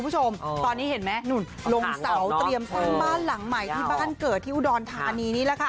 ตอนนี้เห็นไหมบ้านเกิดอุดรธานี